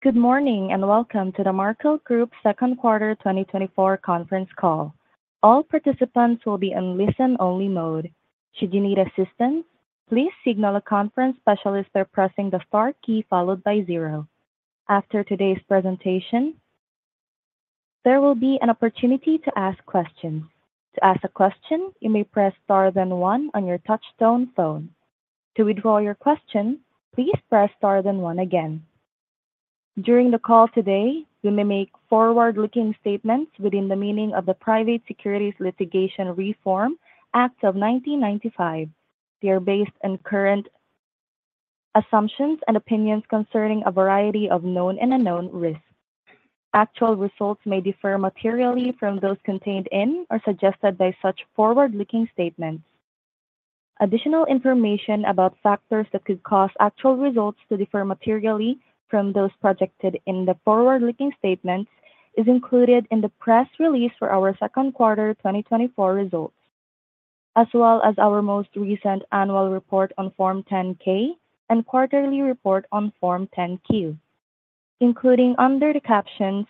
Good morning and welcome to the Markel Group SQ2024 Conference Call. All participants will be in listen-only mode. Should you need assistance, please signal a conference specialist by pressing the star key followed by zero. After today's presentation, there will be an opportunity to ask questions. To ask a question, you may press star then one on your touch-tone phone. To withdraw your question, please press star then one again. During the call today, we may make forward-looking statements within the meaning of the Private Securities Litigation Reform Act of 1995. They are based on current assumptions and opinions concerning a variety of known and unknown risks. Actual results may differ materially from those contained in or suggested by such forward-looking statements. Additional information about factors that could cause actual results to differ materially from those projected in the forward-looking statements is included in the press release for our Q2 2024 results, as well as our most recent annual report on Form 10-K and quarterly report on Form 10-Q, including under the captions,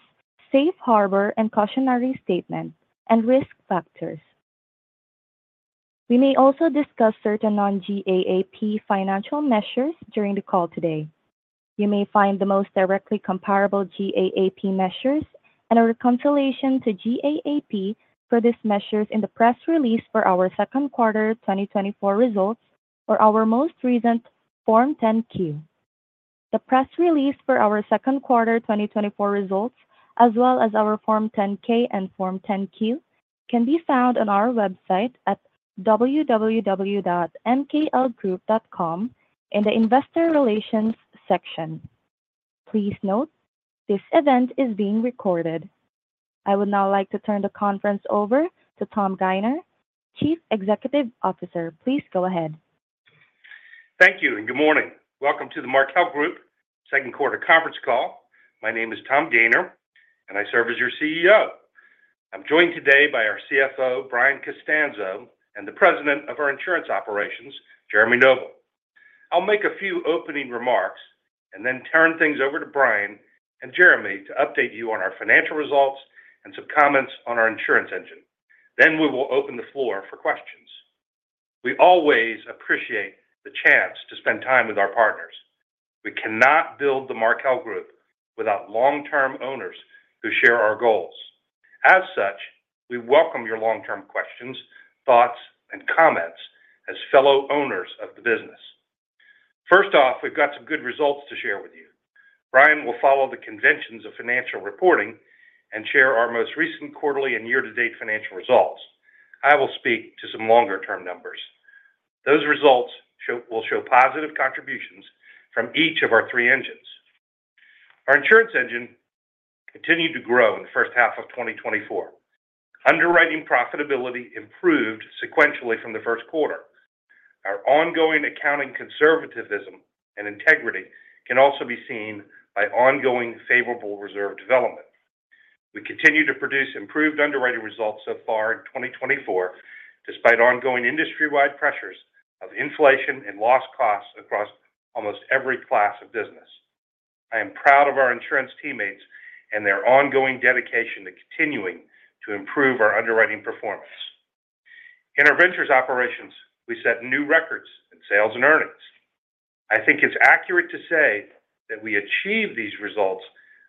"Safe Harbor and Cautionary Statement," and "Risk Factors." We may also discuss certain non-GAAP financial measures during the call today. You may find the most directly comparable GAAP measures and a reconciliation to GAAP for these measures in the press release for our Q2 2024 results or our most recent Form 10-Q. The press release for our Q2 2024 results, as well as our Form 10-K and Form 10-Q, can be found on our website at www.mklgroup.com in the Investor Relations section. Please note, this event is being recorded. I would now like to turn the conference over to Tom Gayner, Chief Executive Officer. Please go ahead. Thank you and good morning. Welcome to the Markel Group Q2 2024 conference call. My name is Tom Gayner, and I serve as your CEO. I'm joined today by our CFO, Brian Costanzo, and the President of our Insurance Operations, Jeremy Noble. I'll make a few opening remarks and then turn things over to Brian and Jeremy to update you on our financial results and some comments on our insurance engine. Then we will open the floor for questions. We always appreciate the chance to spend time with our partners. We cannot build the Markel Group without long-term owners who share our goals. As such, we welcome your long-term questions, thoughts, and comments as fellow owners of the business. First off, we've got some good results to share with you. Brian will follow the conventions of financial reporting and share our most recent quarterly and year-to-date financial results. I will speak to some longer-term numbers. Those results will show positive contributions from each of our three engines. Our insurance engine continued to grow in the first half of 2024. Underwriting profitability improved sequentially from the first quarter. Our ongoing accounting conservatism and integrity can also be seen by ongoing favorable reserve development. We continue to produce improved underwriting results so far in 2024, despite ongoing industry-wide pressures of inflation and loss costs across almost every class of business. I am proud of our insurance teammates and their ongoing dedication to continuing to improve our underwriting performance. In our ventures operations, we set new records in sales and earnings. I think it's accurate to say that we achieve these results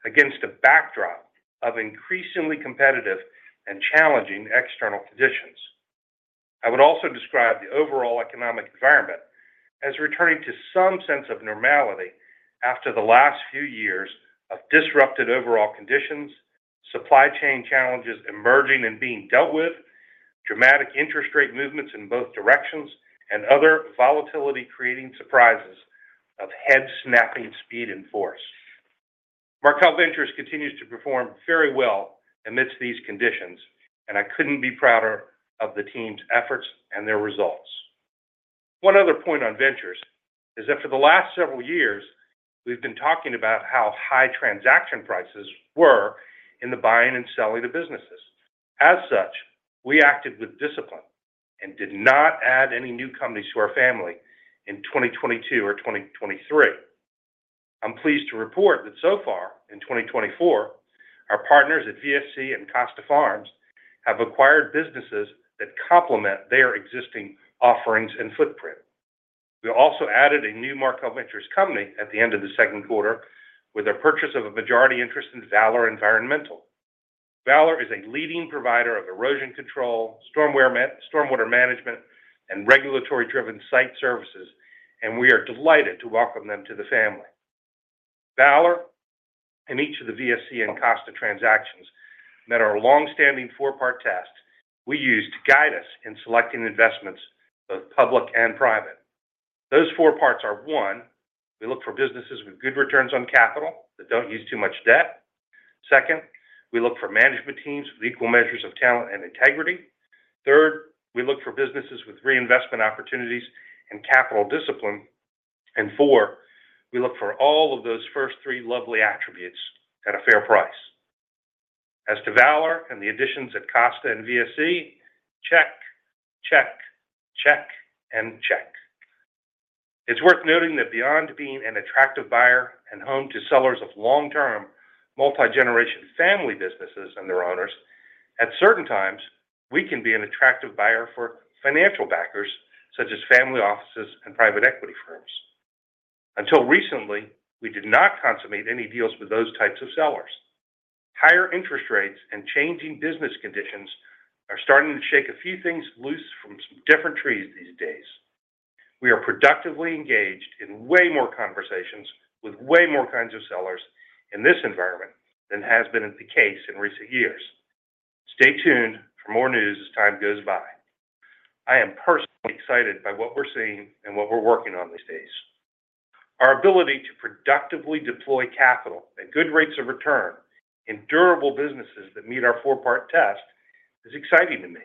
against a backdrop of increasingly competitive and challenging external conditions. I would also describe the overall economic environment as returning to some sense of normality after the last few years of disrupted overall conditions, supply chain challenges emerging and being dealt with, dramatic interest rate movements in both directions, and other volatility-creating surprises of head-snapping speed and force. Markel Ventures continues to perform very well amidst these conditions, and I couldn't be prouder of the team's efforts and their results. One other point on ventures is that for the last several years, we've been talking about how high transaction prices were in the buying and selling of businesses. As such, we acted with discipline and did not add any new companies to our family in 2022 or 2023. I'm pleased to report that so far in 2024, our partners at VSC and Costa Farms have acquired businesses that complement their existing offerings and footprint. We also added a new Markel Ventures company at the end of the Q2 2024 with a purchase of a majority interest in Valor Environmental. Valor is a leading provider of erosion control, stormwater management, and regulatory-driven site services, and we are delighted to welcome them to the family. Valor and each of the VSC and Costa transactions met our long-standing four-part test we use to guide us in selecting investments, both public and private. Those four parts are: one, we look for businesses with good returns on capital that don't use too much debt; second, we look for management teams with equal measures of talent and integrity; third, we look for businesses with reinvestment opportunities and capital discipline; and four, we look for all of those first three lovely attributes at a fair price. As to Valor and the additions at Costa and VSC, check, check, check, and check. It's worth noting that beyond being an attractive buyer and home to sellers of long-term multi-generation family businesses and their owners, at certain times we can be an attractive buyer for financial backers such as family offices and private equity firms. Until recently, we did not consummate any deals with those types of sellers. Higher interest rates and changing business conditions are starting to shake a few things loose from different trees these days. We are productively engaged in way more conversations with way more kinds of sellers in this environment than has been the case in recent years. Stay tuned for more news as time goes by. I am personally excited by what we're seeing and what we're working on these days. Our ability to productively deploy capital at good rates of return in durable businesses that meet our four-part test is exciting to me.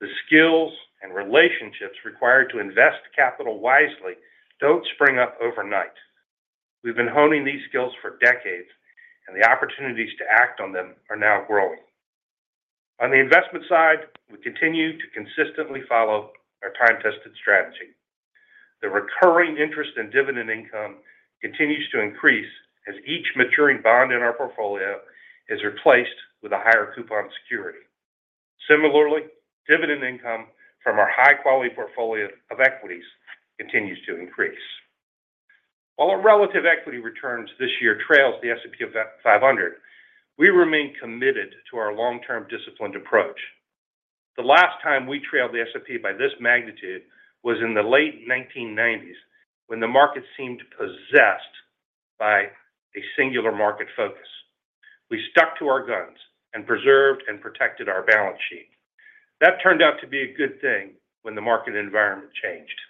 The skills and relationships required to invest capital wisely don't spring up overnight. We've been honing these skills for decades, and the opportunities to act on them are now growing. On the investment side, we continue to consistently follow our time-tested strategy. The recurring interest and dividend income continues to increase as each maturing bond in our portfolio is replaced with a higher coupon security. Similarly, dividend income from our high-quality portfolio of equities continues to increase. While our relative equity returns this year trail the S&P 500, we remain committed to our long-term disciplined approach. The last time we trailed the S&P by this magnitude was in the late 1990s when the market seemed possessed by a singular market focus. We stuck to our guns and preserved and protected our balance sheet. That turned out to be a good thing when the market environment changed.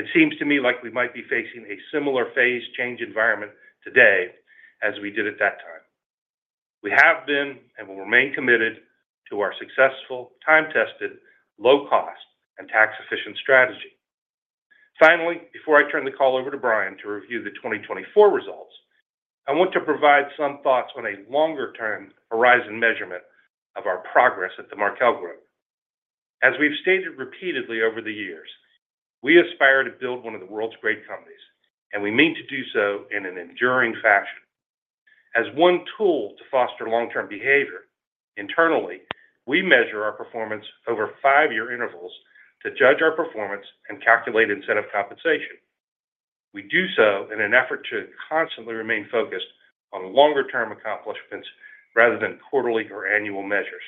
It seems to me like we might be facing a similar phase change environment today as we did at that time. We have been and will remain committed to our successful, time-tested, low-cost, and tax-efficient strategy. Finally, before I turn the call over to Brian to review the 2024 results, I want to provide some thoughts on a longer-term horizon measurement of our progress at the Markel Group. As we've stated repeatedly over the years, we aspire to build one of the world's great companies, and we mean to do so in an enduring fashion. As one tool to foster long-term behavior, internally, we measure our performance over five-year intervals to judge our performance and calculate incentive compensation. We do so in an effort to constantly remain focused on longer-term accomplishments rather than quarterly or annual measures.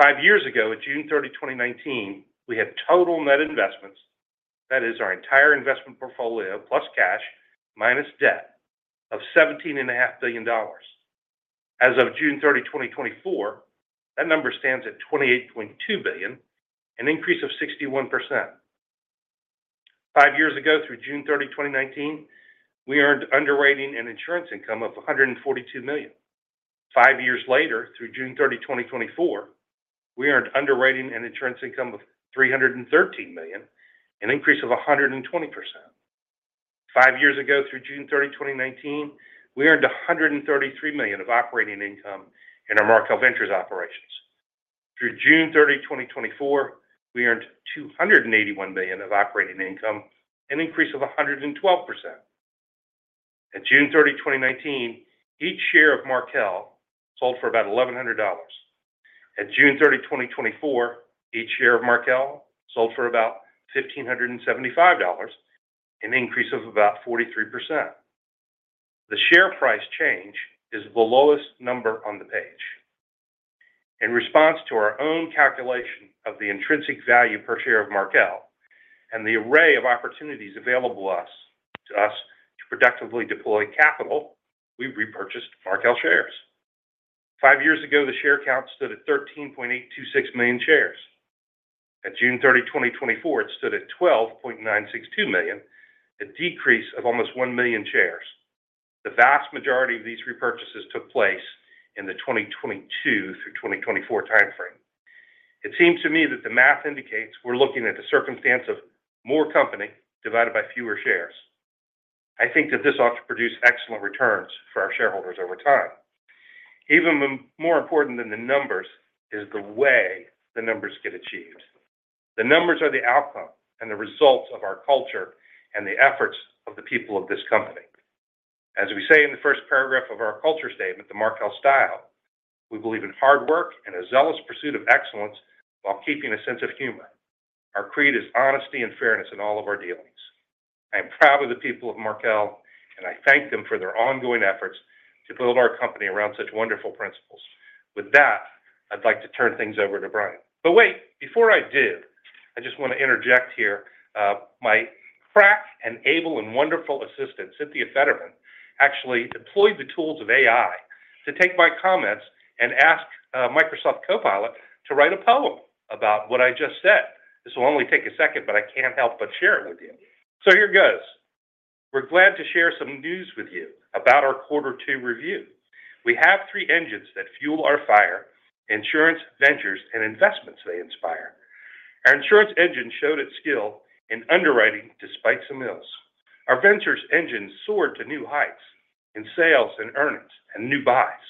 Five years ago, at June 30, 2019, we had total net investments, that is our entire investment portfolio plus cash minus debt, of $17.5 billion. As of June 30, 2024, that number stands at $28.2 billion, an increase of 61%. Five years ago, through June 30, 2019, we earned underwriting and insurance income of $142 million. Five years later, through June 30, 2024, we earned underwriting and insurance income of $313 million, an increase of 120%. Five years ago, through June 30, 2019, we earned $133 million of operating income in our Markel Ventures operations. Through June 30, 2024, we earned $281 million of operating income, an increase of 112%. At June 30, 2019, each share of Markel sold for about $1,100. At June 30, 2024, each share of Markel sold for about $1,575, an increase of about 43%. The share price change is the lowest number on the page. In response to our own calculation of the intrinsic value per share of Markel and the array of opportunities available to us to productively deploy capital, we repurchased Markel shares. Five years ago, the share count stood at 13.826 million shares. At June 30, 2024, it stood at 12.962 million, a decrease of almost 1 million shares. The vast majority of these repurchases took place in the 2022 through 2024 timeframe. It seems to me that the math indicates we're looking at a circumstance of more company divided by fewer shares. I think that this ought to produce excellent returns for our shareholders over time. Even more important than the numbers is the way the numbers get achieved. The numbers are the outcome and the result of our culture and the efforts of the people of this company. As we say in the first paragraph of our culture statement, the Markel style, we believe in hard work and a zealous pursuit of excellence while keeping a sense of humor. Our creed is honesty and fairness in all of our dealings. I am proud of the people of Markel, and I thank them for their ongoing efforts to build our company around such wonderful principles. With that, I'd like to turn things over to Brian. But wait, before I do, I just want to interject here. My crack and able and wonderful assistant, Cynthia Federman, actually deployed the tools of AI to take my comments and ask Microsoft Copilot to write a poem about what I just said. This will only take a second, but I can't help but share it with you. So here goes. We're glad to share some news with you about our Q2 review. We have three engines that fuel our fire: insurance, ventures, and investments. They inspire. Our insurance engine showed its skill in underwriting despite some ills. Our ventures engine soared to new heights in sales and earnings and new buys.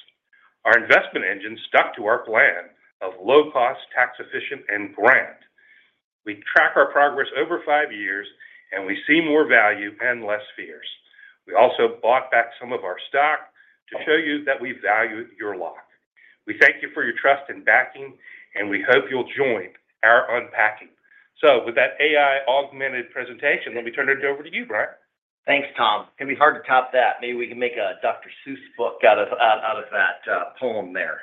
Our investment engine stuck to our plan of low cost, tax efficient, and grand. We track our progress over five years, and we see more value and less fears. We also bought back some of our stock to show you that we value your luck. We thank you for your trust and backing, and we hope you'll join our unpacking. So with that AI augmented presentation, let me turn it over to you, Brian. Thanks, Tom. It's going to be hard to top that. Maybe we can make a Dr. Seuss book out of that poem there.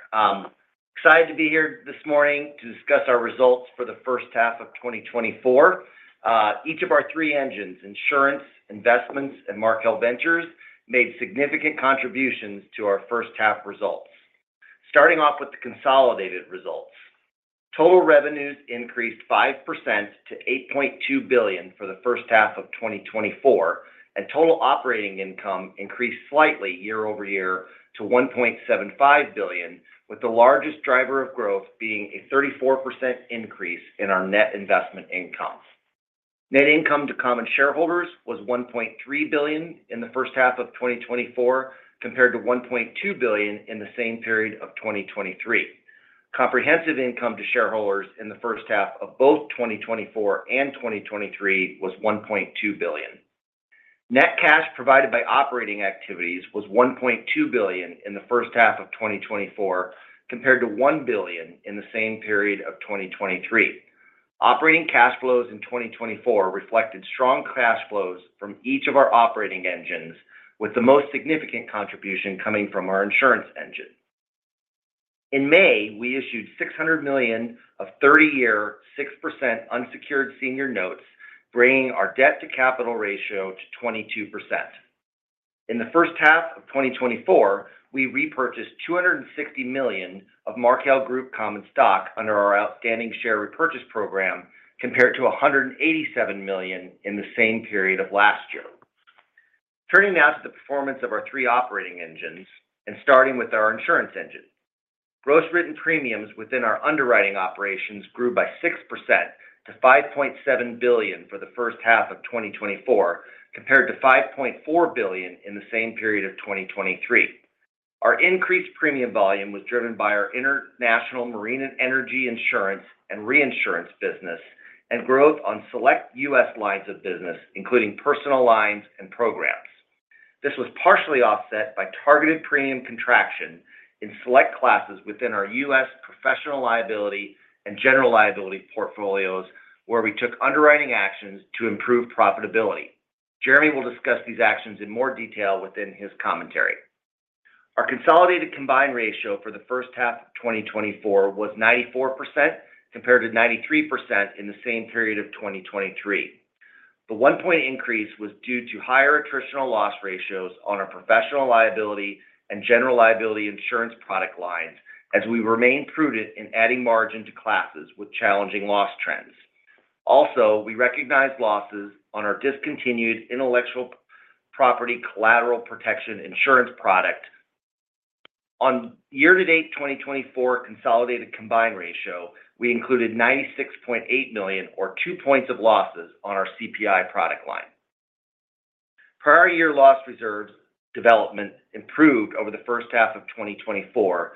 Excited to be here this morning to discuss our results for the first half of 2024. Each of our three engines, insurance, investments, and Markel Ventures, made significant contributions to our first half results. Starting off with the consolidated results. Total revenues increased 5% to $8.2 billion for the first half of 2024, and total operating income increased slightly year-over-year to $1.75 billion, with the largest driver of growth being a 34% increase in our net investment income. Net income to common shareholders was $1.3 billion in the first half of 2024 compared to $1.2 billion in the same period of 2023. Comprehensive income to shareholders in the first half of both 2024 and 2023 was $1.2 billion. Net cash provided by operating activities was $1.2 billion in the first half of 2024 compared to $1 billion in the same period of 2023. Operating cash flows in 2024 reflected strong cash flows from each of our operating engines, with the most significant contribution coming from our insurance engine. In May, we issued $600 million of 30-year 6% unsecured senior notes, bringing our debt-to-capital ratio to 22%. In the first half of 2024, we repurchased $260 million of Markel Group common stock under our outstanding share repurchase program compared to $187 million in the same period of last year. Turning now to the performance of our three operating engines and starting with our insurance engine. Gross written premiums within our underwriting operations grew by 6% to $5.7 billion for the first half of 2024 compared to $5.4 billion in the same period of 2023. Our increased premium volume was driven by our international marine and energy insurance and reinsurance business and growth on select U.S. lines of business, including personal lines and programs. This was partially offset by targeted premium contraction in select classes within our U.S. professional liability and general liability portfolios, where we took underwriting actions to improve profitability. Jeremy will discuss these actions in more detail within his commentary. Our consolidated combined ratio for the first half of 2024 was 94% compared to 93% in the same period of 2023. The one-point increase was due to higher attritional loss ratios on our professional liability and general liability insurance product lines as we remain prudent in adding margin to classes with challenging loss trends. Also, we recognized losses on our discontinued intellectual property collateral protection insurance product. On year-to-date 2024 consolidated combined ratio, we included $96.8 million or two points of losses on our CPI product line. Prior year loss reserves development improved over the first half of 2024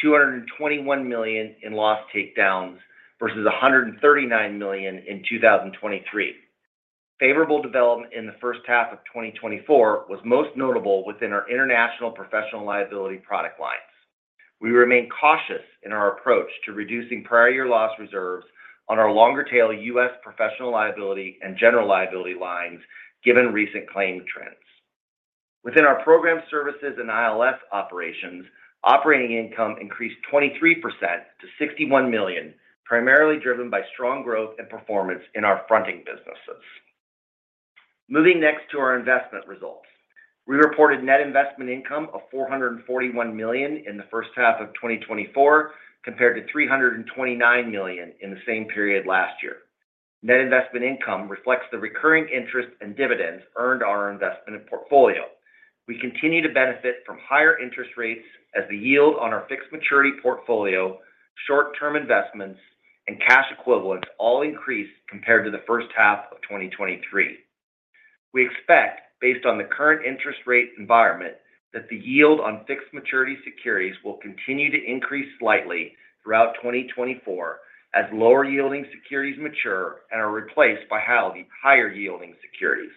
to $221 million in loss takedowns versus $139 million in 2023. Favorable development in the first half of 2024 was most notable within our international professional liability product lines. We remain cautious in our approach to reducing prior year loss reserves on our longer tail U.S. professional liability and general liability lines given recent claim trends. Within our program services and ILS operations, operating income increased 23% to $61 million, primarily driven by strong growth and performance in our fronting businesses. Moving next to our investment results. We reported net investment income of $441 million in the first half of 2024 compared to $329 million in the same period last year. Net investment income reflects the recurring interest and dividends earned on our investment portfolio. We continue to benefit from higher interest rates as the yield on our fixed maturity portfolio, short-term investments, and cash equivalents all increased compared to the first half of 2023. We expect, based on the current interest rate environment, that the yield on fixed maturity securities will continue to increase slightly throughout 2024 as lower yielding securities mature and are replaced by higher yielding securities.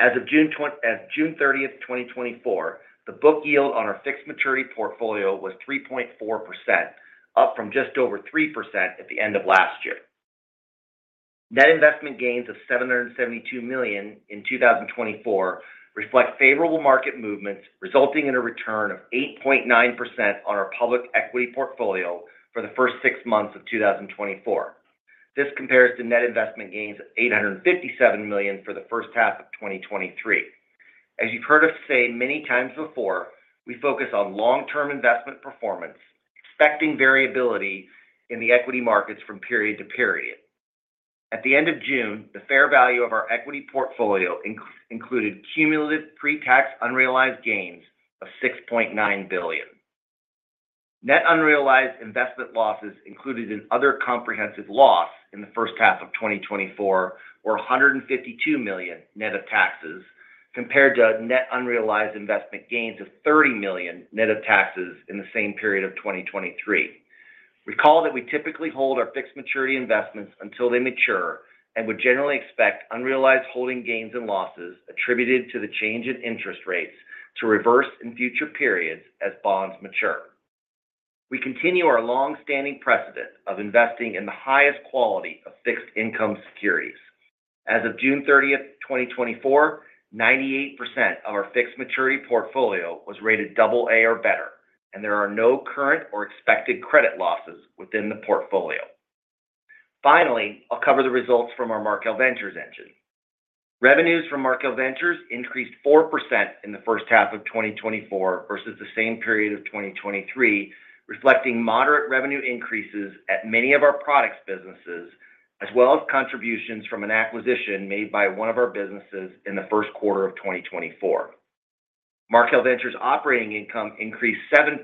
As of June 30, 2024, the book yield on our fixed maturity portfolio was 3.4%, up from just over 3% at the end of last year. Net investment gains of $772 million in 2024 reflect favorable market movements, resulting in a return of 8.9% on our public equity portfolio for the first six months of 2024. This compares to net investment gains of $857 million for the first half of 2023. As you've heard us say many times before, we focus on long-term investment performance, expecting variability in the equity markets from period to period. At the end of June, the fair value of our equity portfolio included cumulative pre-tax unrealized gains of $6.9 billion. Net unrealized investment losses included in other comprehensive loss in the first half of 2024 were $152 million net of taxes compared to net unrealized investment gains of $30 million net of taxes in the same period of 2023. Recall that we typically hold our fixed maturity investments until they mature and would generally expect unrealized holding gains and losses attributed to the change in interest rates to reverse in future periods as bonds mature. We continue our long-standing precedent of investing in the highest quality of fixed income securities. As of June 30, 2024, 98% of our fixed maturity portfolio was rated AA or better, and there are no current or expected credit losses within the portfolio. Finally, I'll cover the results from our Markel Ventures engine. Revenues from Markel Ventures increased 4% in the first half of 2024 versus the same period of 2023, reflecting moderate revenue increases at many of our products businesses, as well as contributions from an acquisition made by one of our businesses in the first quarter of 2024. Markel Ventures' operating income increased 7%,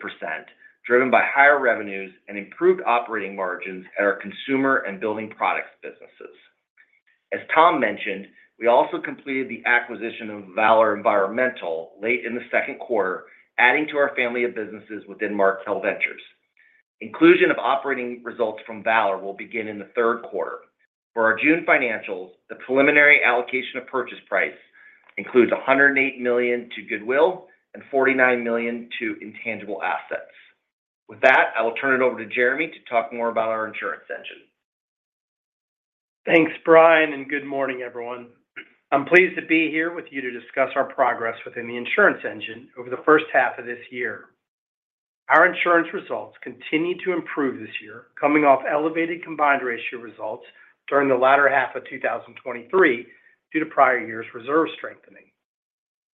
driven by higher revenues and improved operating margins at our consumer and building products businesses. As Tom mentioned, we also completed the acquisition of Valor Environmental late in the second quarter, adding to our family of businesses within Markel Ventures. Inclusion of operating results from Valor will begin in the third quarter. For our June financials, the preliminary allocation of purchase price includes $108 million to Goodwill and $49 million to Intangible Assets. With that, I will turn it over to Jeremy to talk more about our insurance engine. Thanks, Brian, and good morning, everyone. I'm pleased to be here with you to discuss our progress within the insurance engine over the first half of this year. Our insurance results continue to improve this year, coming off elevated combined ratio results during the latter half of 2023 due to prior year's reserve strengthening.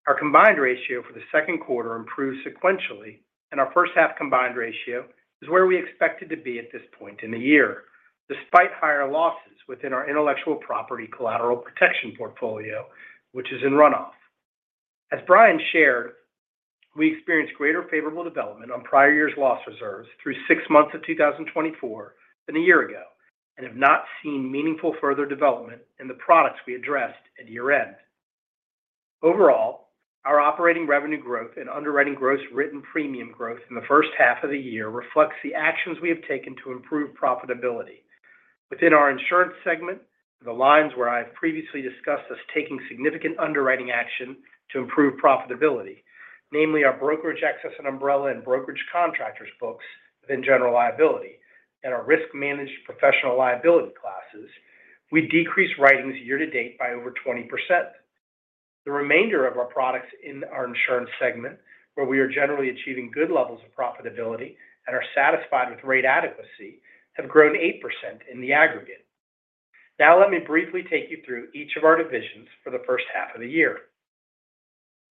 Our combined ratio for the second quarter improved sequentially, and our first half combined ratio is where we expected to be at this point in the year, despite higher losses within our intellectual property collateral protection portfolio, which is in runoff. As Brian shared, we experienced greater favorable development on prior year's loss reserves through six months of 2024 than a year ago and have not seen meaningful further development in the products we addressed at year-end. Overall, our operating revenue growth and underwriting gross written premium growth in the first half of the year reflects the actions we have taken to improve profitability. Within our insurance segment, the lines where I have previously discussed us taking significant underwriting action to improve profitability, namely our brokerage access and umbrella and brokerage contractors books within general liability and our risk-managed professional liability classes, we decreased writings year-to-date by over 20%. The remainder of our products in our insurance segment, where we are generally achieving good levels of profitability and are satisfied with rate adequacy, have grown 8% in the aggregate. Now, let me briefly take you through each of our divisions for the first half of the year.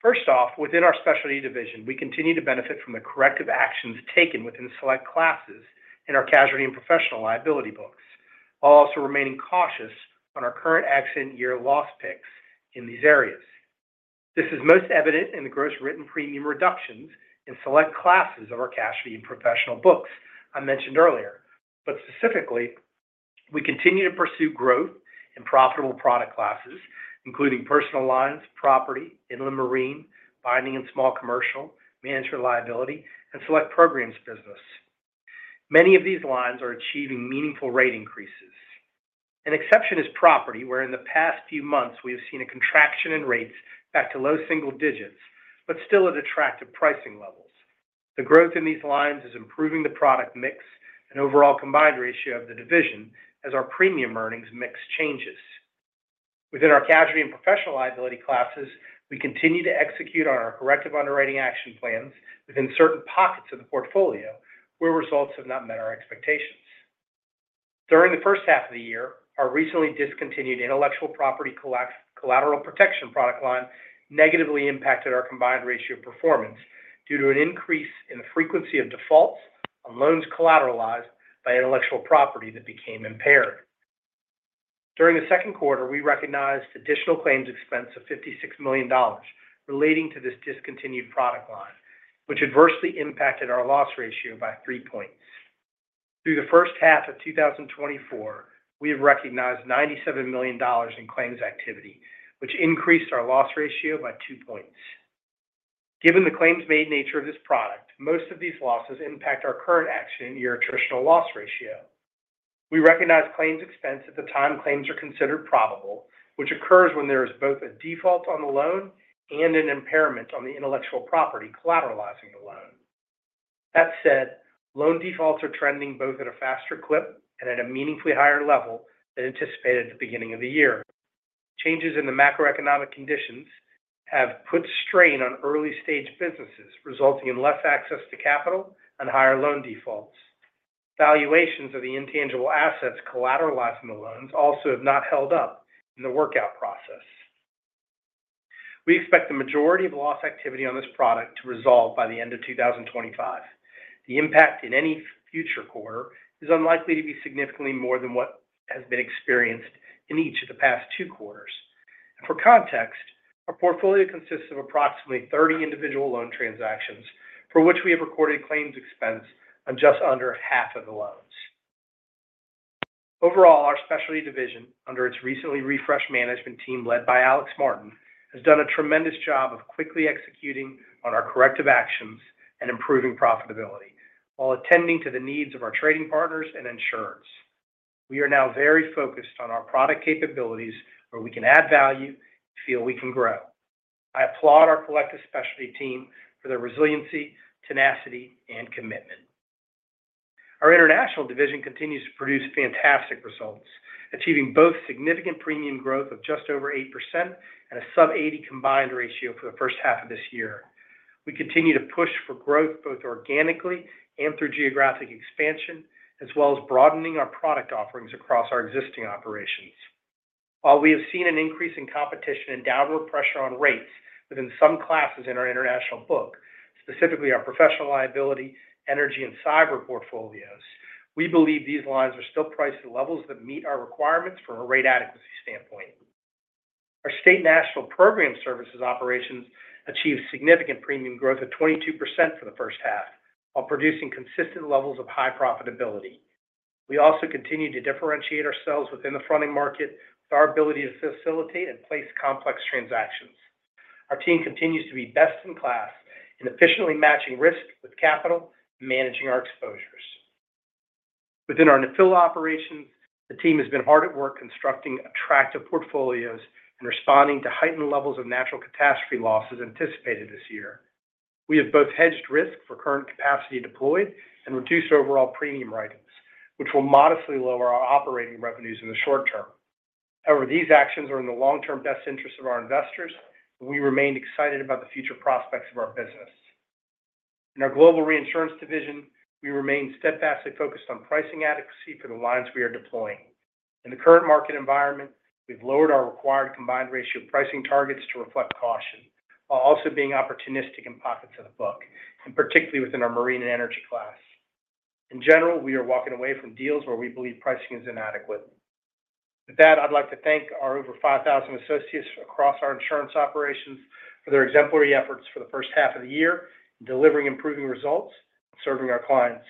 First off, within our specialty division, we continue to benefit from the corrective actions taken within select classes in our casualty and professional liability books, while also remaining cautious on our current exit year loss picks in these areas. This is most evident in the gross written premium reductions in select classes of our casualty and professional books I mentioned earlier. Specifically, we continue to pursue growth in profitable product classes, including personal lines, property, inland marine, binding and small commercial, managed reliability, and select programs business. Many of these lines are achieving meaningful rate increases. An exception is property, where in the past few months we have seen a contraction in rates back to low single digits, but still at attractive pricing levels. The growth in these lines is improving the product mix and overall combined ratio of the division as our premium earnings mix changes. Within our casualty and professional liability classes, we continue to execute on our corrective underwriting action plans within certain pockets of the portfolio where results have not met our expectations. During the first half of the year, our recently discontinued intellectual property collateral protection product line negatively impacted our combined ratio performance due to an increase in the frequency of defaults on loans collateralized by intellectual property that became impaired. During the second quarter, we recognized additional claims expense of $56 million relating to this discontinued product line, which adversely impacted our loss ratio by three points. Through the first half of 2024, we have recognized $97 million in claims activity, which increased our loss ratio by two points. Given the claims-made nature of this product, most of these losses impact our current action year attritional loss ratio. We recognize claims expense at the time claims are considered probable, which occurs when there is both a default on the loan and an impairment on the intellectual property collateralizing the loan. That said, loan defaults are trending both at a faster clip and at a meaningfully higher level than anticipated at the beginning of the year. Changes in the macroeconomic conditions have put strain on early-stage businesses, resulting in less access to capital and higher loan defaults. Valuations of the intangible assets collateralized in the loans also have not held up in the workout process. We expect the majority of loss activity on this product to resolve by the end of 2025. The impact in any future quarter is unlikely to be significantly more than what has been experienced in each of the past two quarters. For context, our portfolio consists of approximately 30 individual loan transactions, for which we have recorded claims expense on just under half of the loans. Overall, our specialty division, under its recently refreshed management team led by Alex Martin, has done a tremendous job of quickly executing on our corrective actions and improving profitability while attending to the needs of our trading partners and insurers. We are now very focused on our product capabilities where we can add value and feel we can grow. I applaud our collective specialty team for their resiliency, tenacity, and commitment. Our international division continues to produce fantastic results, achieving both significant premium growth of just over 8% and a sub-80 combined ratio for the first half of this year. We continue to push for growth both organically and through geographic expansion, as well as broadening our product offerings across our existing operations. While we have seen an increase in competition and downward pressure on rates within some classes in our international book, specifically our professional liability, energy, and cyber portfolios, we believe these lines are still priced at levels that meet our requirements from a rate adequacy standpoint. Our State National program services operations achieved significant premium growth of 22% for the first half while producing consistent levels of high profitability. We also continue to differentiate ourselves within the fronting market with our ability to facilitate and place complex transactions. Our team continues to be best in class in efficiently matching risk with capital and managing our exposures. Within our Nephila operations, the team has been hard at work constructing attractive portfolios and responding to heightened levels of natural catastrophe losses anticipated this year. We have both hedged risk for current capacity deployed and reduced overall premium writings, which will modestly lower our operating revenues in the short term. However, these actions are in the long-term best interest of our investors, and we remain excited about the future prospects of our business. In our global reinsurance division, we remain steadfastly focused on pricing adequacy for the lines we are deploying. In the current market environment, we've lowered our required combined ratio pricing targets to reflect caution, while also being opportunistic in pockets of the book, and particularly within our marine and energy class. In general, we are walking away from deals where we believe pricing is inadequate. With that, I'd like to thank our over 5,000 associates across our insurance operations for their exemplary efforts for the first half of the year in delivering improving results and serving our clients.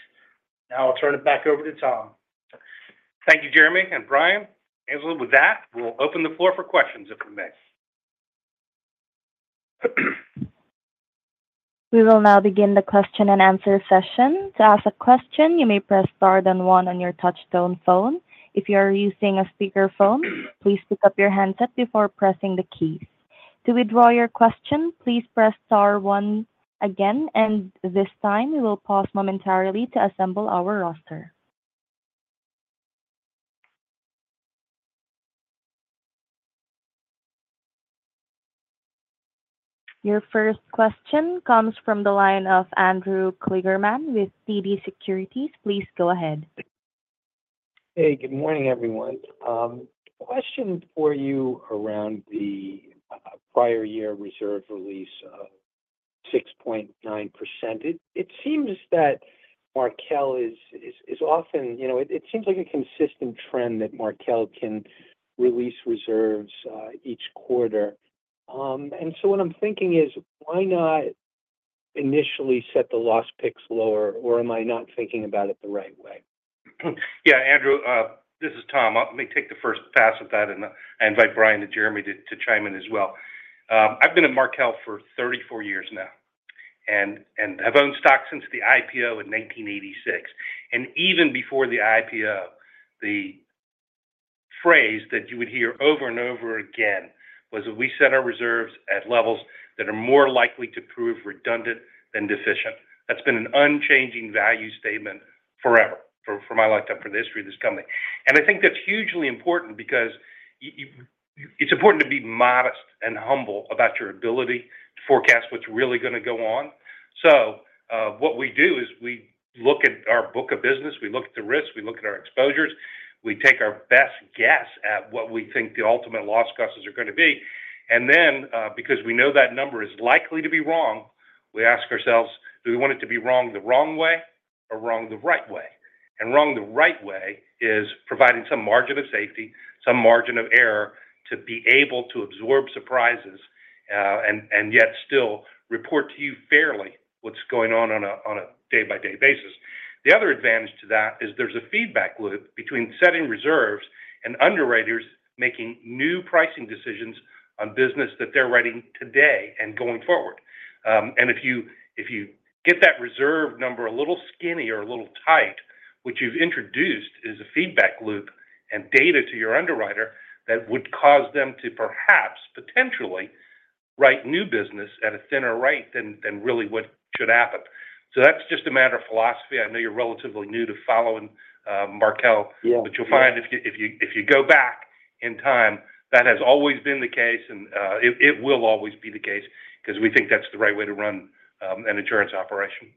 Now, I'll turn it back over to Tom. Thank you, Jeremy and Brian. With that, we'll open the floor for questions if we may. We will now begin the question and answer session. To ask a question, you may press star then one on your touch-tone phone. If you are using a speakerphone, please pick up your handset before pressing the keys. To withdraw your question, please press star one again, and this time, we will pause momentarily to assemble our roster. Your first question comes from the line of Andrew Kligerman with TD Securities. Please go ahead. Hey, good morning, everyone. Question for you around the prior year reserve release of 6.9%. It seems like a consistent trend that Markel can release reserves each quarter. And so what I'm thinking is, why not initially set the loss picks lower, or am I not thinking about it the right way? Yeah, Andrew, this is Tom. Let me take the first pass at that, and I invite Brian and Jeremy to chime in as well. I've been at Markel for 34 years now and have owned stock since the IPO in 1986. Even before the IPO, the phrase that you would hear over and over again was that we set our reserves at levels that are more likely to prove redundant than deficient. That's been an unchanging value statement forever, for my lifetime, for the history of this company. I think that's hugely important because it's important to be modest and humble about your ability to forecast what's really going to go on. What we do is we look at our book of business, we look at the risk, we look at our exposures, we take our best guess at what we think the ultimate loss costs are going to be. Then, because we know that number is likely to be wrong, we ask ourselves, do we want it to be wrong the wrong way or wrong the right way? Wrong the right way is providing some margin of safety, some margin of error to be able to absorb surprises and yet still report to you fairly what's going on on a day-by-day basis. The other advantage to that is there's a feedback loop between setting reserves and underwriters making new pricing decisions on business that they're writing today and going forward. And if you get that reserve number a little skinny or a little tight, what you've introduced is a feedback loop and data to your underwriter that would cause them to perhaps potentially write new business at a thinner rate than really what should happen. So that's just a matter of philosophy. I know you're relatively new to following Markel, but you'll find if you go back in time, that has always been the case, and it will always be the case because we think that's the right way to run an insurance operation.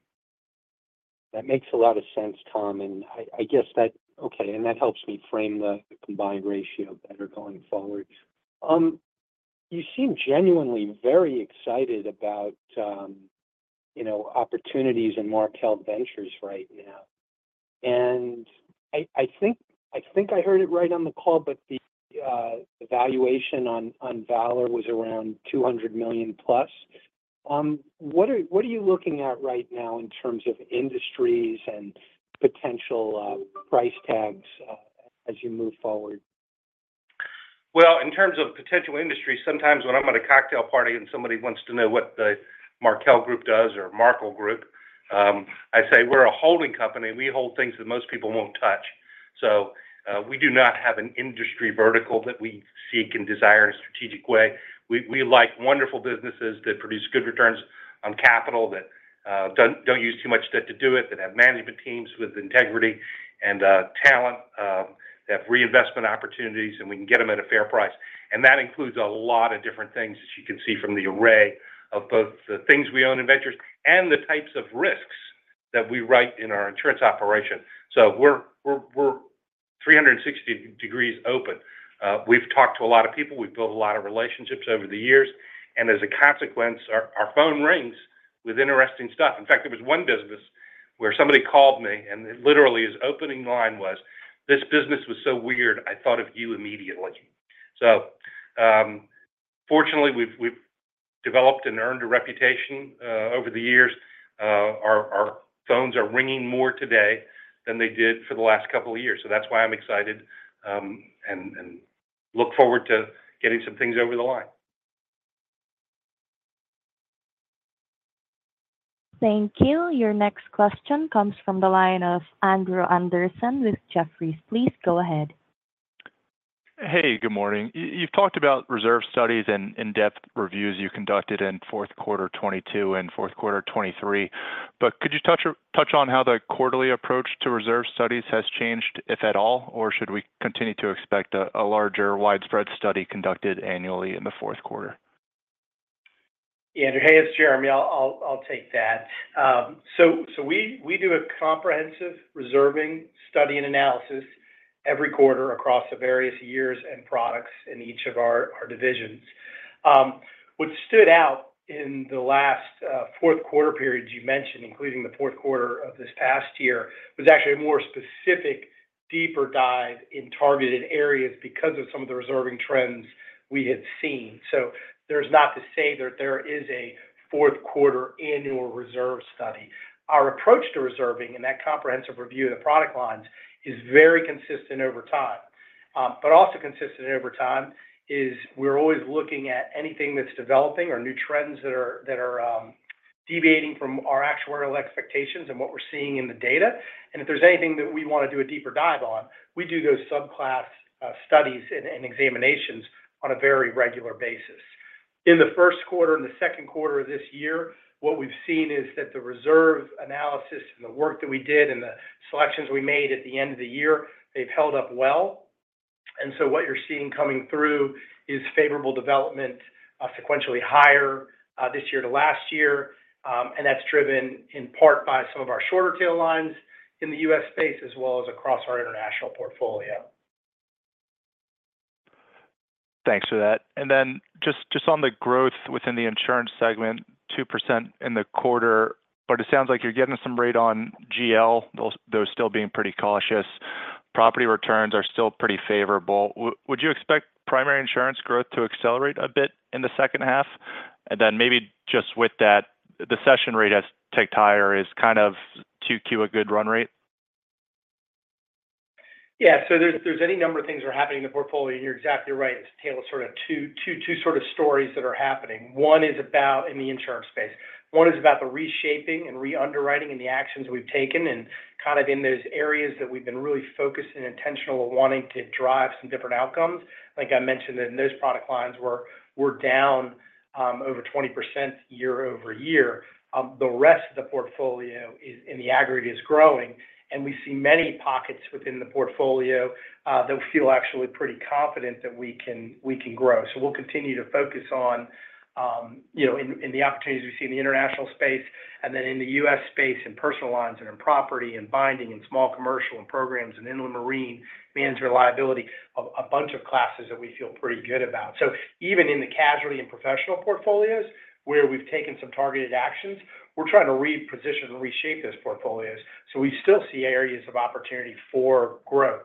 That makes a lot of sense, Tom, and I guess that, okay, and that helps me frame the combined ratio better going forward. You seem genuinely very excited about opportunities in Markel Ventures right now. And I think I heard it right on the call, but the valuation on Valor was around $200 million plus. What are you looking at right now in terms of industries and potential price tags as you move forward? Well, in terms of potential industries, sometimes when I'm at a cocktail party and somebody wants to know what the Markel Group does or Markel Group, I say we're a holding company. We hold things that most people won't touch. So we do not have an industry vertical that we seek and desire in a strategic way. We like wonderful businesses that produce good returns on capital, that don't use too much debt to do it, that have management teams with integrity and talent, that have reinvestment opportunities, and we can get them at a fair price. And that includes a lot of different things, as you can see from the array of both the things we own in ventures and the types of risks that we write in our insurance operation. So we're 360 degrees open. We've talked to a lot of people. We've built a lot of relationships over the years. As a consequence, our phone rings with interesting stuff. In fact, there was one business where somebody called me, and literally his opening line was, "This business was so weird, I thought of you immediately." Fortunately, we've developed and earned a reputation over the years. Our phones are ringing more today than they did for the last couple of years. That's why I'm excited and look forward to getting some things over the line. Thank you. Your next question comes from the line of Andrew Andersen with Jefferies. Please go ahead. Hey, good morning. You've talked about reserve studies and in-depth reviews you conducted in fourth quarter 2022 and fourth quarter 2023. But could you touch on how the quarterly approach to reserve studies has changed, if at all, or should we continue to expect a larger, widespread study conducted annually in the fourth quarter? Yeah, hey, it's Jeremy. I'll take that. So we do a comprehensive reserving study and analysis every quarter across the various years and products in each of our divisions. What stood out in the last fourth quarter period you mentioned, including the fourth quarter of this past year, was actually a more specific, deeper dive in targeted areas because of some of the reserving trends we had seen. So there's not to say that there is a fourth quarter annual reserve study. Our approach to reserving and that comprehensive review of the product lines is very consistent over time. But also consistent over time is we're always looking at anything that's developing or new trends that are deviating from our actuarial expectations and what we're seeing in the data. And if there's anything that we want to do a deeper dive on, we do those subclass studies and examinations on a very regular basis. In the first quarter and the second quarter of this year, what we've seen is that the reserve analysis and the work that we did and the selections we made at the end of the year, they've held up well. And so what you're seeing coming through is favorable development, sequentially higher this year to last year. And that's driven in part by some of our shorter tail lines in the U.S. space, as well as across our international portfolio. Thanks for that. And then just on the growth within the insurance segment, 2% in the quarter, but it sounds like you're getting some rate on GL. Though still being pretty cautious, property returns are still pretty favorable. Would you expect primary insurance growth to accelerate a bit in the second half? And then maybe just with that, the cession rate has ticked higher. Is kind of 2Q a good run rate? Yeah. So there's any number of things that are happening in the portfolio. You're exactly right. It's sort of two sort of stories that are happening. One is about in the insurance space. One is about the reshaping and re-underwriting and the actions we've taken and kind of in those areas that we've been really focused and intentional on wanting to drive some different outcomes. Like I mentioned, in those product lines, we're down over 20% year-over-year. The rest of the portfolio in the aggregate is growing. And we see many pockets within the portfolio that feel actually pretty confident that we can grow. We'll continue to focus on the opportunities we see in the international space and then in the U.S. space and personal lines and in property and binding and small commercial and programs and in the marine management liability, a bunch of classes that we feel pretty good about. Even in the casualty and professional portfolios, where we've taken some targeted actions, we're trying to reposition and reshape those portfolios. We still see areas of opportunity for growth.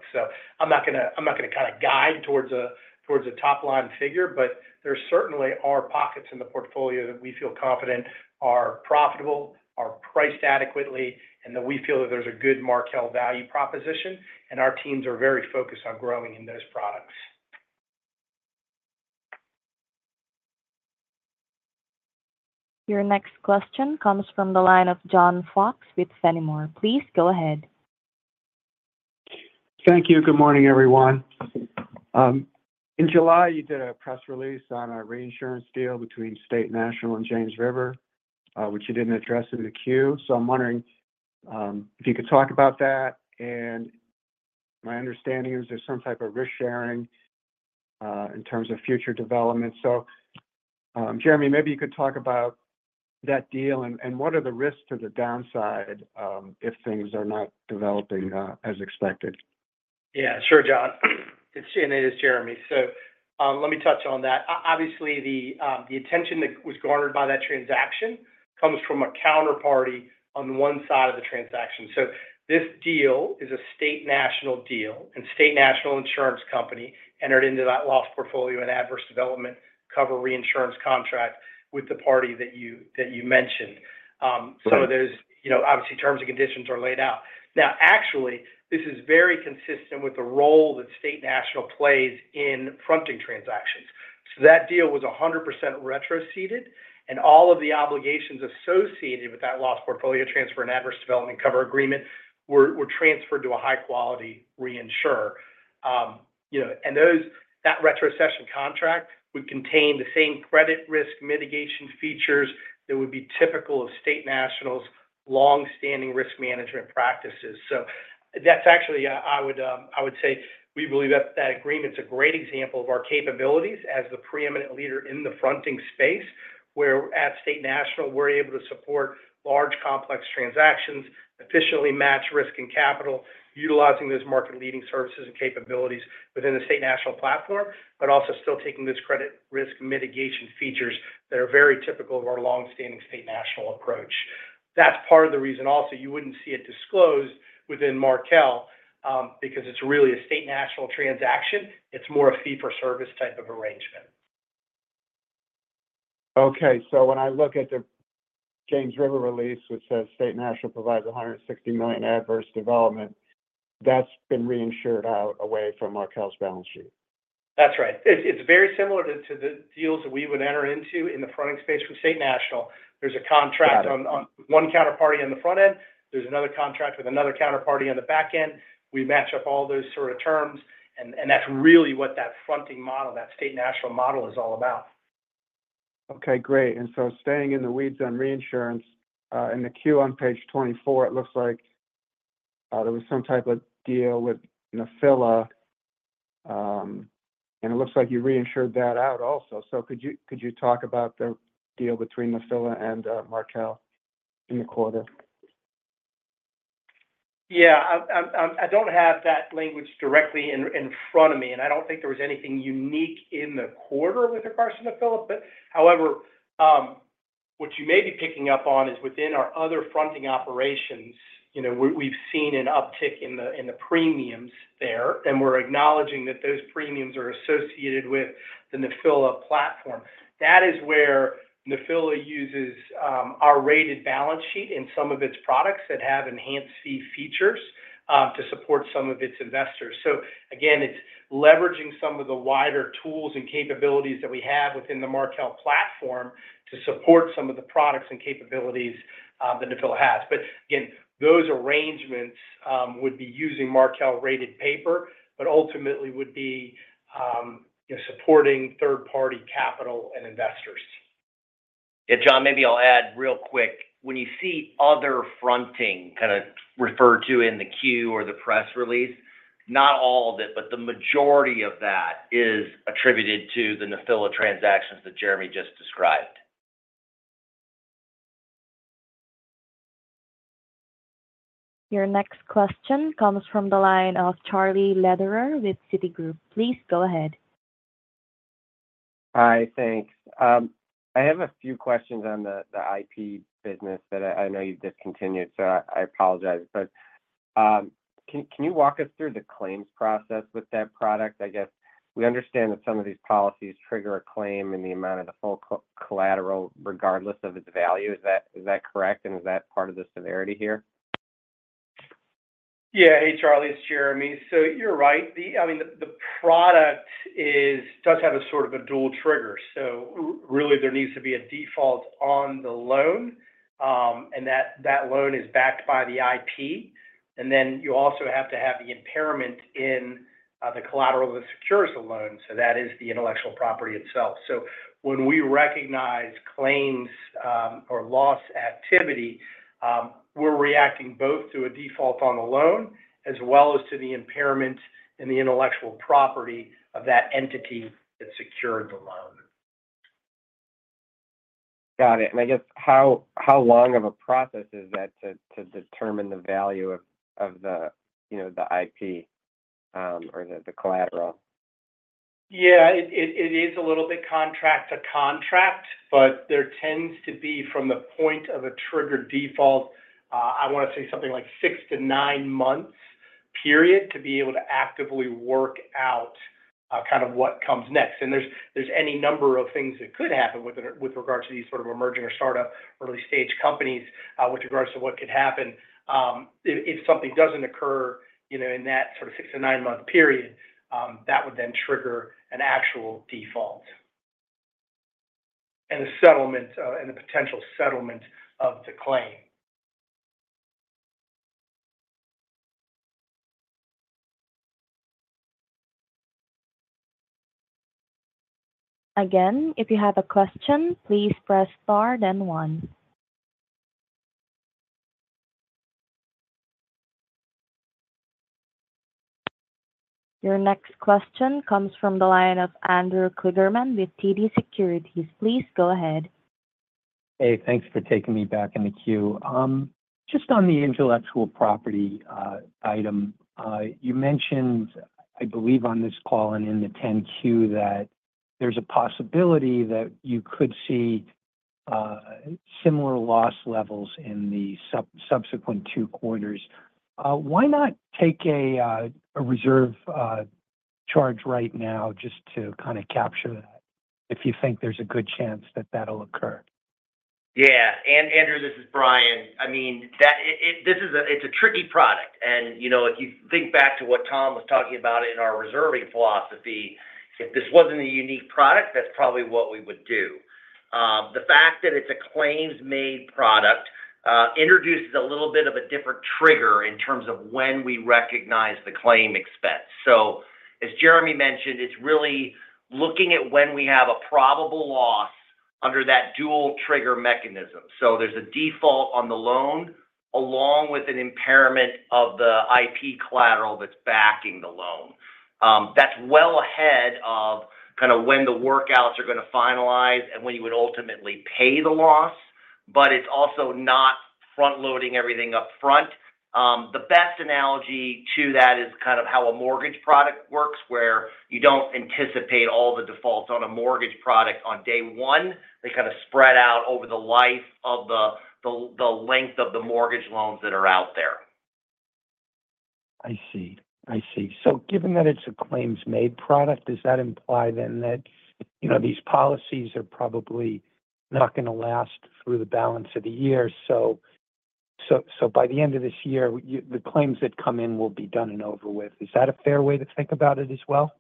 I'm not going to kind of guide towards a top-line figure, but there certainly are pockets in the portfolio that we feel confident are profitable, are priced adequately, and that we feel that there's a good Markel value proposition. Our teams are very focused on growing in those products. Your next question comes from the line of John Fox with Fenimore. Please go ahead. Thank you. Good morning, everyone. In July, you did a press release on a reinsurance deal between State National and James River, which you didn't address in the queue. So I'm wondering if you could talk about that. And my understanding is there's some type of risk-sharing in terms of future development. So Jeremy, maybe you could talk about that deal and what are the risks to the downside if things are not developing as expected. Yeah, sure, John. And it is Jeremy. So let me touch on that. Obviously, the attention that was garnered by that transaction comes from a counterparty on one side of the transaction. So this deal is a State National deal, and State National Insurance Company entered into that Loss Portfolio Transfer and Adverse Development Cover reinsurance contract with the party that you mentioned. So obviously, terms and conditions are laid out. Now, actually, this is very consistent with the role that State National plays in fronting transactions. So that deal was 100% retroceded, and all of the obligations associated with that Loss Portfolio Transfer and Adverse Development Cover agreement were transferred to a high-quality reinsurer. And that retrocession contract would contain the same credit risk mitigation features that would be typical of State National's long-standing risk management practices. So that's actually, I would say, we believe that that agreement's a great example of our capabilities as the preeminent leader in the fronting space, where at State National, we're able to support large, complex transactions, efficiently match risk and capital, utilizing those market-leading services and capabilities within the State National platform, but also still taking those credit risk mitigation features that are very typical of our long-standing State National approach. That's part of the reason also you wouldn't see it disclosed within Markel because it's really a State National transaction. It's more a fee-for-service type of arrangement. Okay. So when I look at the James River release, which says State National provides $160 million adverse development, that's been reinsured out away from Markel's balance sheet. That's right. It's very similar to the deals that we would enter into in the fronting space from State National. There's a contract on one counterparty on the front end. There's another contract with another counterparty on the back end. We match up all those sort of terms, and that's really what that fronting model, that State National model is all about. Okay, great. And so staying in the weeds on reinsurance, in the queue on page 24, it looks like there was some type of deal with Nephila, and it looks like you reinsured that out also. So could you talk about the deal between Nephila and Markel in the quarter? Yeah. I don't have that language directly in front of me, and I don't think there was anything unique in the quarter with regards to Nephila. But however, what you may be picking up on is within our other fronting operations, we've seen an uptick in the premiums there, and we're acknowledging that those premiums are associated with the Nephila platform. That is where Nephila uses our rated balance sheet in some of its products that have enhanced fee features to support some of its investors. So again, it's leveraging some of the wider tools and capabilities that we have within the Markel platform to support some of the products and capabilities that Nephila has. But again, those arrangements would be using Markel-rated paper, but ultimately would be supporting third-party capital and investors. Yeah, John, maybe I'll add real quick. When you see other fronting kind of referred to in the queue or the press release, not all of it, but the majority of that is attributed to the Nephila transactions that Jeremy just described. Your next question comes from the line of Charlie Lederer with Citi. Please go ahead. Hi, thanks. I have a few questions on the IP business that I know you've discontinued, so I apologize. But can you walk us through the claims process with that product? I guess we understand that some of these policies trigger a claim in the amount of the full collateral, regardless of its value. Is that correct? And is that part of the severity here? Yeah. Hey, Charlie, it's Jeremy. So you're right. I mean, the product does have a sort of a dual trigger. So really, there needs to be a default on the loan, and that loan is backed by the IP. And then you also have to have the impairment in the collateral that secures the loan. So that is the intellectual property itself. So when we recognize claims or loss activity, we're reacting both to a default on the loan as well as to the impairment in the intellectual property of that entity that secured the loan. Got it. I guess how long of a process is that to determine the value of the IP or the collateral? Yeah. It is a little bit contract to contract, but there tends to be, from the point of a triggered default, I want to say something like six-nine months period to be able to actively work out kind of what comes next. And there's any number of things that could happen with regards to these sort of emerging or startup early-stage companies with regards to what could happen. If something doesn't occur in that sort of six-nine-month period, that would then trigger an actual default and the potential settlement of the claim. Again, if you have a question, please press star, then one. Your next question comes from the line of Andrew Kligerman with TD Securities. Please go ahead. Hey, thanks for taking me back in the queue. Just on the intellectual property item, you mentioned, I believe, on this call and in the 10-Q that there's a possibility that you could see similar loss levels in the subsequent two quarters. Why not take a reserve charge right now just to kind of capture that if you think there's a good chance that that'll occur? Yeah. And Andrew, this is Brian. I mean, it's a tricky product. And if you think back to what Tom was talking about in our reserving philosophy, if this wasn't a unique product, that's probably what we would do. The fact that it's a Claims-Made Product introduces a little bit of a different trigger in terms of when we recognize the claim expense. So as Jeremy mentioned, it's really looking at when we have a probable loss under that dual trigger mechanism. So there's a default on the loan along with an impairment of the IP collateral that's backing the loan. That's well ahead of kind of when the workouts are going to finalize and when you would ultimately pay the loss, but it's also not front-loading everything upfront. The best analogy to that is kind of how a mortgage product works, where you don't anticipate all the defaults on a mortgage product on day one. They kind of spread out over the life of the length of the mortgage loans that are out there. I see. I see. So given that it's a claims-made product, does that imply then that these policies are probably not going to last through the balance of the year? So by the end of this year, the claims that come in will be done and over with. Is that a fair way to think about it as well?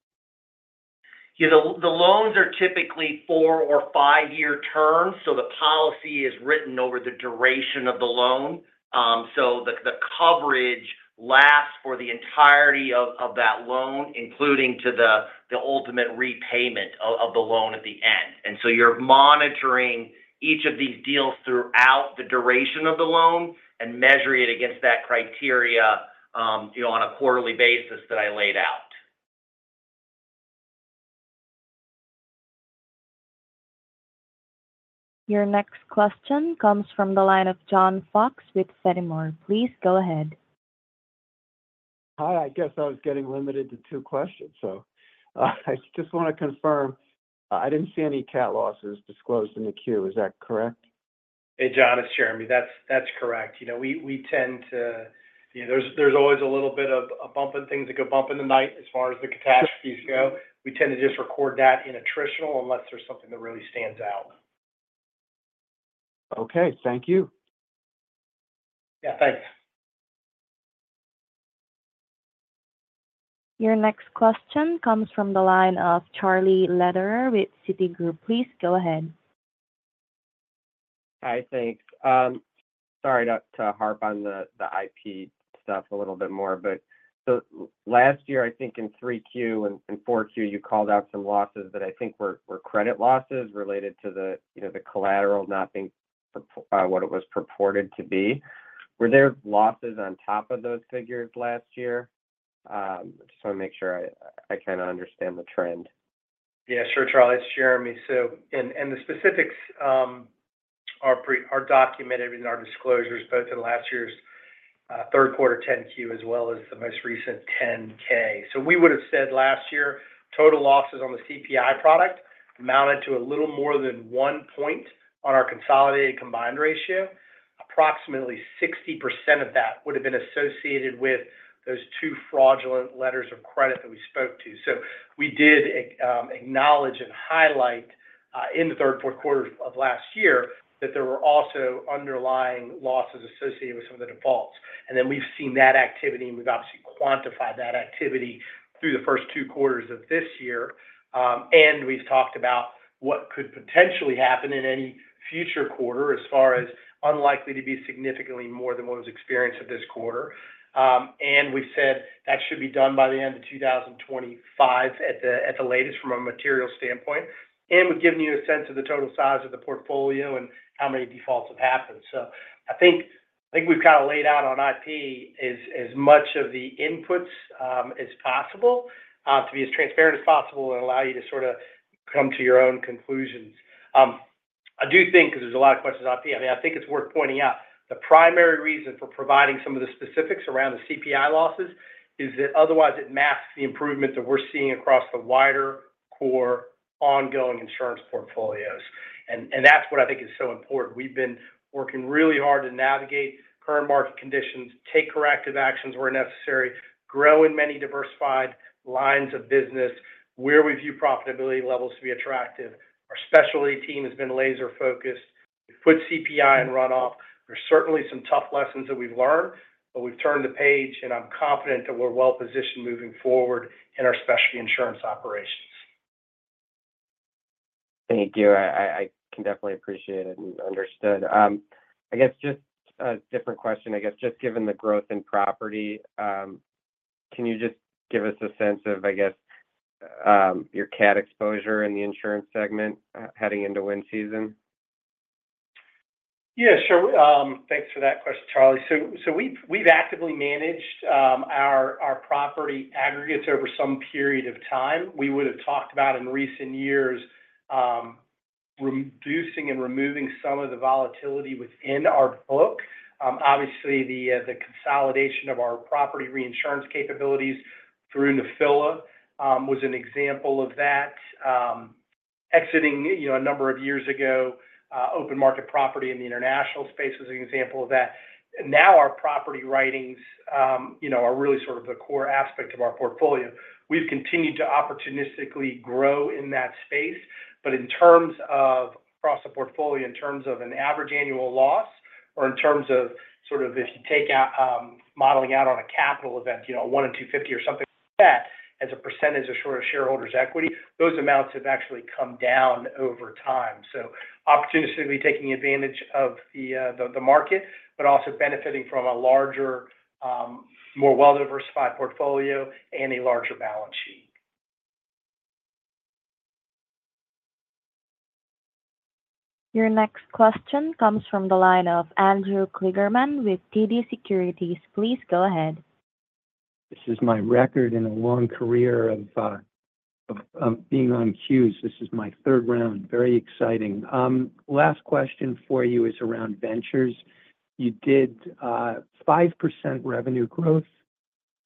Yeah. The loans are typically four or five-year terms. The policy is written over the duration of the loan. The coverage lasts for the entirety of that loan, including to the ultimate repayment of the loan at the end. And so you're monitoring each of these deals throughout the duration of the loan and measuring it against that criteria on a quarterly basis that I laid out. Your next question comes from the line of John Fox with Fenimore. Please go ahead. Hi. I guess I was getting limited to two questions. I just want to confirm I didn't see any cat losses disclosed in the queue. Is that correct? Hey, John, it's Jeremy. That's correct. We tend to. There's always a little bit of a bump in things that go bump in the night as far as the catastrophes go. We tend to just record that in attritional unless there's something that really stands out. Okay. Thank you. Yeah, thanks. Your next question comes from the line of Charlie Lederer with Citi. Please go ahead. Hi, thanks. Sorry to harp on the IP stuff a little bit more, but last year, I think in 3Q and 4Q, you called out some losses that I think were credit losses related to the collateral not being what it was purported to be. Were there losses on top of those figures last year? I just want to make sure I kind of understand the trend. Yeah, sure, Charlie. It's Jeremy. So and the specifics are documented in our disclosures, both in last year's third quarter 10-Q as well as the most recent 10-K. So we would have said last year, total losses on the CPI product amounted to a little more than one point on our consolidated combined ratio. Approximately 60% of that would have been associated with those two fraudulent letters of credit that we spoke to. So we did acknowledge and highlight in the third and fourth quarter of last year that there were also underlying losses associated with some of the defaults. And then we've seen that activity, and we've obviously quantified that activity through the first two quarters of this year. And we've talked about what could potentially happen in any future quarter as far as unlikely to be significantly more than what was experienced this quarter. And we've said that should be done by the end of 2025 at the latest from a material standpoint. And we've given you a sense of the total size of the portfolio and how many defaults have happened. So I think we've kind of laid out on IP as much of the inputs as possible to be as transparent as possible and allow you to sort of come to your own conclusions. I do think, because there's a lot of questions on IP, I mean, I think it's worth pointing out the primary reason for providing some of the specifics around the CPI losses is that otherwise it masks the improvement that we're seeing across the wider core ongoing insurance portfolios. And that's what I think is so important. We've been working really hard to navigate current market conditions, take corrective actions where necessary, grow in many diversified lines of business where we view profitability levels to be attractive. Our specialty team has been laser-focused. We put CPI and run-off. There's certainly some tough lessons that we've learned, but we've turned the page, and I'm confident that we're well-positioned moving forward in our specialty insurance operations. Thank you. I can definitely appreciate it and understood. I guess just a different question. I guess just given the growth in property, can you just give us a sense of, I guess, your cat exposure in the insurance segment heading into wind season? Yeah, sure. Thanks for that question, Charlie. So we've actively managed our property aggregates over some period of time. We would have talked about in recent years reducing and removing some of the volatility within our book. Obviously, the consolidation of our property reinsurance capabilities through Nephila was an example of that. Exiting a number of years ago, open market property in the international space was an example of that. Now our property writings are really sort of the core aspect of our portfolio. We've continued to opportunistically grow in that space, but in terms of across the portfolio, in terms of an average annual loss or in terms of sort of if you take out modeling out on a capital event, a one-in-250 or something like that as a percentage of shareholders' equity, those amounts have actually come down over time. Opportunistically taking advantage of the market, but also benefiting from a larger, more well-diversified portfolio and a larger balance sheet. Your next question comes from the line of Andrew Kligerman with TD Securities. Please go ahead. This is my record in a long career of being on queues. This is my third round. Very exciting. Last question for you is around ventures. You did 5% revenue growth.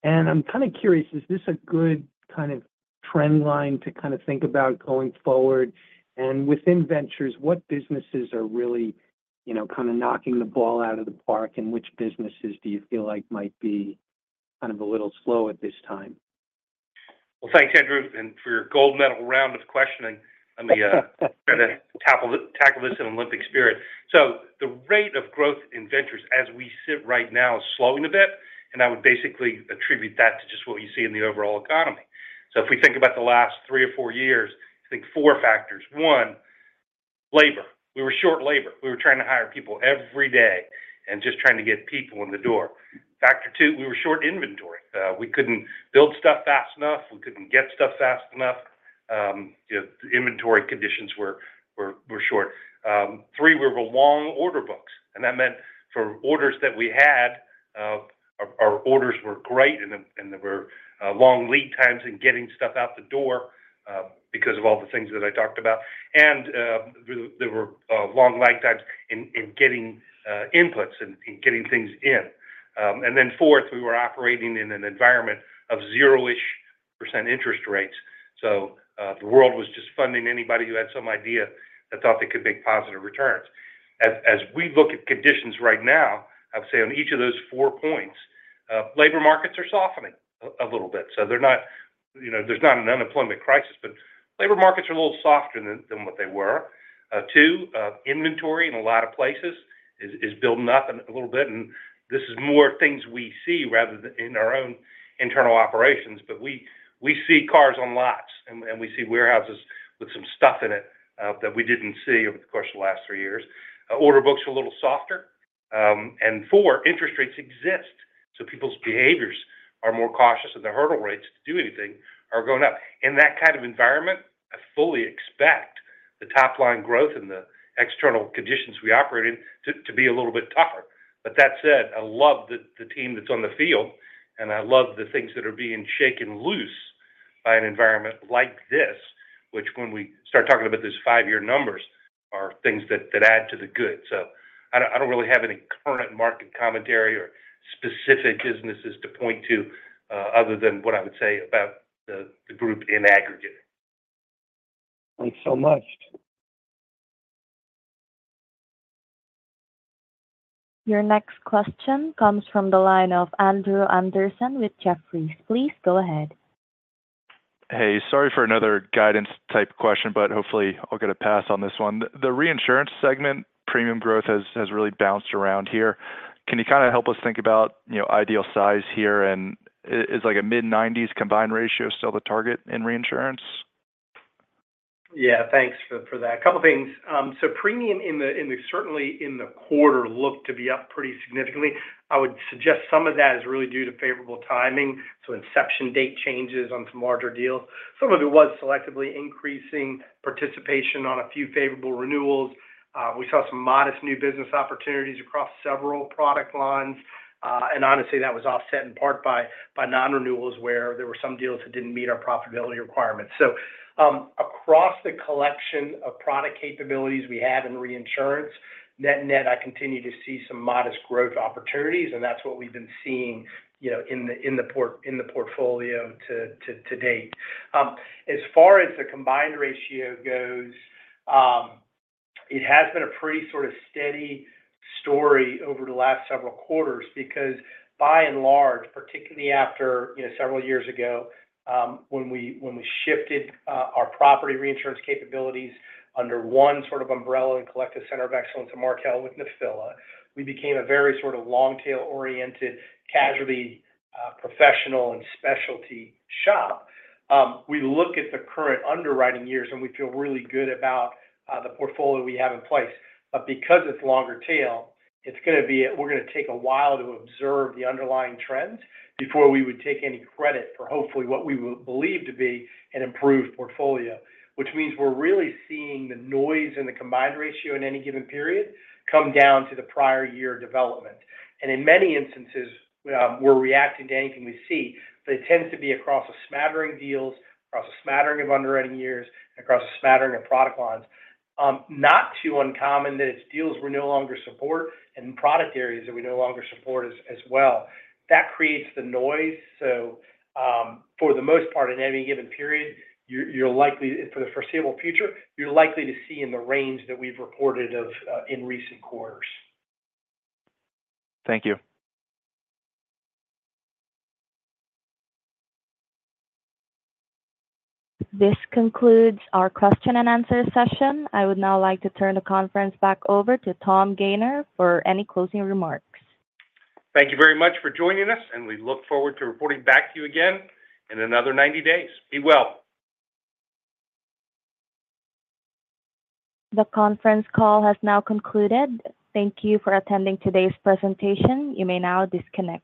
And I'm kind of curious, is this a good kind of trend line to kind of think about going forward? And within ventures, what businesses are really kind of knocking the ball out of the park, and which businesses do you feel like might be kind of a little slow at this time? Well, thanks, Andrew, for your gold medal round of questioning. Let me try to tackle this in Olympic spirit. So the rate of growth in ventures as we sit right now is slowing a bit, and I would basically attribute that to just what you see in the overall economy. So if we think about the last three or four years, I think four factors. One, labor. We were short labor. We were trying to hire people every day and just trying to get people in the door. Factor two, we were short inventory. We couldn't build stuff fast enough. We couldn't get stuff fast enough. The inventory conditions were short. Three, we were long order books. And that meant for orders that we had, our orders were great, and there were long lead times in getting stuff out the door because of all the things that I talked about. There were long lag times in getting inputs and getting things in. And then fourth, we were operating in an environment of zero-ish% interest rates. So the world was just funding anybody who had some idea that thought they could make positive returns. As we look at conditions right now, I would say on each of those four points, labor markets are softening a little bit. So there's not an unemployment crisis, but labor markets are a little softer than what they were. Two, inventory in a lot of places is building up a little bit. And this is more things we see rather than in our own internal operations, but we see cars on lots, and we see warehouses with some stuff in it that we didn't see over the course of the last three years. Order books are a little softer. And four, interest rates exist. So people's behaviors are more cautious and the hurdle rates to do anything are going up. In that kind of environment, I fully expect the top-line growth and the external conditions we operate in to be a little bit tougher. But that said, I love the team that's on the field, and I love the things that are being shaken loose by an environment like this, which when we start talking about those five-year numbers are things that add to the good. So I don't really have any current market commentary or specific businesses to point to other than what I would say about the group in aggregate. Thanks so much. Your next question comes from the line of Andrew Andersen with Jefferies. Please go ahead. Hey, sorry for another guidance-type question, but hopefully I'll get a pass on this one. The reinsurance segment, premium growth has really bounced around here. Can you kind of help us think about ideal size here? And is like a mid-90s combined ratio still the target in reinsurance? Yeah, thanks for that. A couple of things. So premium certainly in the quarter looked to be up pretty significantly. I would suggest some of that is really due to favorable timing. So inception date changes on some larger deals. Some of it was selectively increasing participation on a few favorable renewals. We saw some modest new business opportunities across several product lines. And honestly, that was offset in part by non-renewals where there were some deals that didn't meet our profitability requirements. So across the collection of product capabilities we have in reinsurance, net-net, I continue to see some modest growth opportunities, and that's what we've been seeing in the portfolio to date. As far as the combined ratio goes, it has been a pretty sort of steady story over the last several quarters because by and large, particularly after several years ago when we shifted our property reinsurance capabilities under one sort of umbrella and collective center of excellence and Markel with Nephila, we became a very sort of long-tail-oriented, casualty professional and specialty shop. We look at the current underwriting years, and we feel really good about the portfolio we have in place. But because it's longer tail, we're going to take a while to observe the underlying trends before we would take any credit for hopefully what we believe to be an improved portfolio, which means we're really seeing the noise in the combined ratio in any given period come down to the prior year development. And in many instances, we're reacting to anything we see, but it tends to be across a smattering deals, across a smattering of underwriting years, across a smattering of product lines. Not too uncommon that it's deals we no longer support and product areas that we no longer support as well. That creates the noise. So for the most part, in any given period, for the foreseeable future, you're likely to see in the range that we've reported in recent quarters. Thank you. This concludes our question and answer session. I would now like to turn the conference back over to Tom Gayner for any closing remarks. Thank you very much for joining us, and we look forward to reporting back to you again in another 90 days. Be well. The conference call has now concluded. Thank you for attending today's presentation. You may now disconnect.